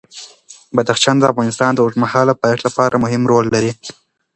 بدخشان د افغانستان د اوږدمهاله پایښت لپاره مهم رول لري.